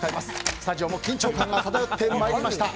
スタジオも緊張感が漂ってまいりました。